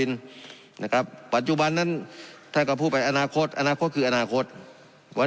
นะครับปัจจุบันนั้นท่านก็พูดไปอนาคตอนาคตคืออนาคตวัน